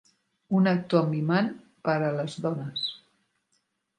Un actor amb imant per a les dones.